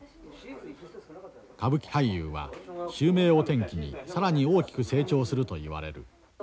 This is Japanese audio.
歌舞伎俳優は襲名を転機に更に大きく成長するといわれる。